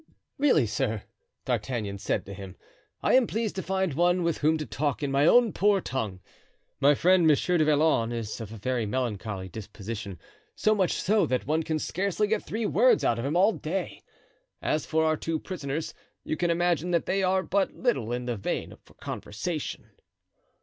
"Really, sir," D'Artagnan said to him, "I am pleased to find one with whom to talk in my own poor tongue. My friend, Monsieur du Vallon, is of a very melancholy disposition, so much so, that one can scarcely get three words out of him all day. As for our two prisoners, you can imagine that they are but little in the vein for conversation."